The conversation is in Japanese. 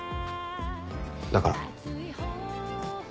だから。